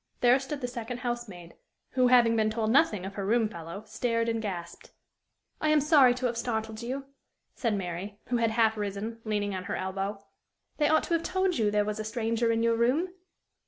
There stood the second housemaid, who, having been told nothing of her room fellow, stared and gasped. "I am sorry to have startled you," said Mary, who had half risen, leaning on her elbow. "They ought to have told you there was a stranger in your room."